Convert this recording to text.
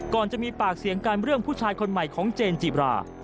จะมีปากเสียงกันเรื่องผู้ชายคนใหม่ของเจนจิบรา